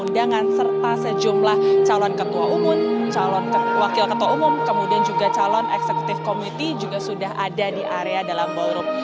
baik selamat pagi sarah